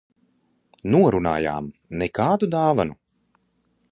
Norunājām - nekādu dāvanu.